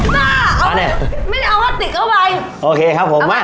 บ้าเอาไงไม่ได้เอาติดเข้าไปโอเคครับผมมา